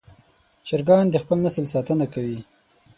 چرګان د خپل نسل ساتنه کوي.